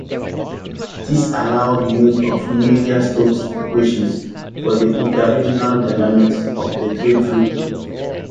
This allowed use of Navier-Stokes equations for the interregional dynamics of trade flows.